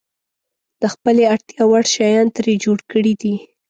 د خپلې اړتیا وړ شیان یې ترې جوړ کړي دي.